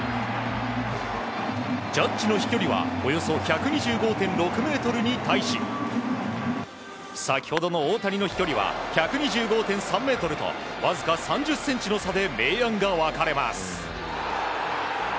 ジャッジの飛距離はおよそ１２５．６ｍに対し先ほどの大谷は１２５．３ｍとわずか３０ｃｍの差で明暗が分かれます。